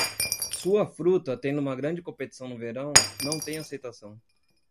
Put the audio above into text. Sua fruta, tendo uma grande competição no verão, não tem aceitação.